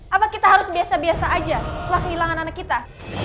apa kita harus biasa biasa aja setelah kehilangan anak kita